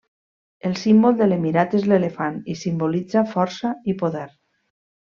El símbol de l'emirat és l'elefant i simbolitza força i poder.